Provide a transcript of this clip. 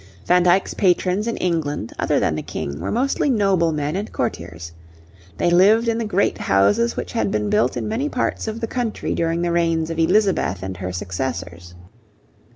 Van Dyck's patrons in England, other than the King, were mostly noblemen and courtiers. They lived in the great houses, which had been built in many parts of the country during the reigns of Elizabeth and her successors.